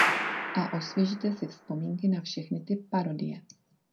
A osvěžíte si vzpomínky na všechny ty parodie.